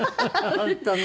本当ね。